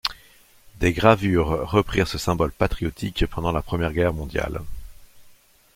Des gravures reprirent ce symbole patriotique pendant la première Guerre mondiale.